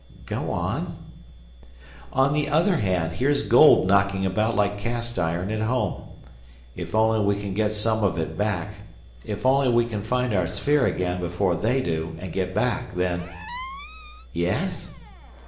"Go on." "On the other hand, here's gold knocking about like cast iron at home. If only we can get some of it back, if only we can find our sphere again before they do, and get back, then—" "Yes?"